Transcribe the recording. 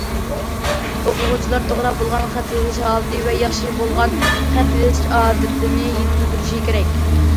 ئوقۇغۇچىلار توغرا بولغان خەت يېزىش ھالىتى ۋە ياخشى بولغان خەت يېزىش ئادىتىنى يېتىلدۈرۈشى كېرەك.